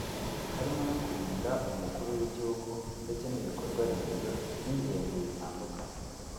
harimo no kurinda umukuru w’igihugu ndetse n’ibikorwa remezo by’ingenzi bitandukanye